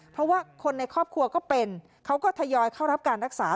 เพราะว่าคนในครอบครัวก็เป็นเขาก็ทยอยเข้ารับการรักษา